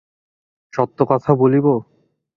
সত্য কথা বলিব?